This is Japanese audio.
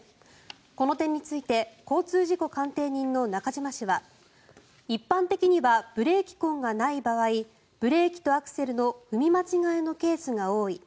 この点について交通事故鑑定人の中島氏は一般的にはブレーキ痕がない場合ブレーキとアクセルの踏み間違えのケースが多い。